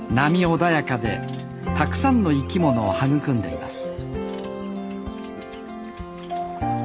穏やかでたくさんの生き物を育んでいます